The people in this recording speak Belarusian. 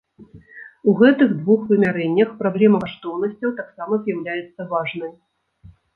У гэтых двух вымярэннях праблема каштоўнасцяў таксама з'яўляецца важнай.